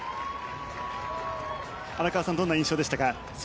荒川さん、どんな印象ですか。